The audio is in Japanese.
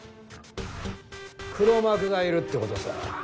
黒幕がいるってことさ。